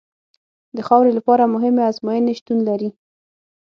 د خاورې لپاره مهمې ازموینې شتون لري